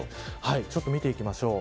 ちょっと見ていきましょう。